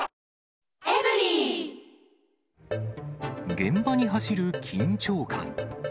現場に走る緊張感。